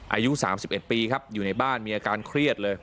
อายุ๓๑ปีครับอยู่ในบ้านมีอาการเครียดเลย